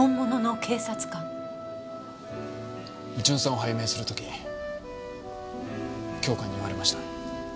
巡査を拝命する時教官に言われました。